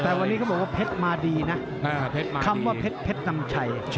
แต่วันนี้เขาบอกว่าเพชรมาดีนะคำว่าเพชรนำชัย